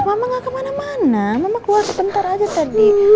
mama gak kemana mana mama keluar sebentar aja tadi